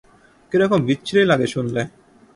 কীরকম বিচ্ছিরি লাগে শুনলে?